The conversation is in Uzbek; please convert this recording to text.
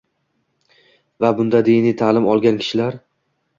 Va bunda diniy ta’lim olgan kishilar